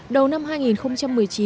đầu năm hai nghìn một mươi chín